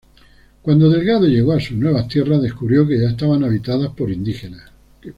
Cuando Delgado llegó a sus nuevas tierras, descubrió que ya estaban habitadas por indígenas.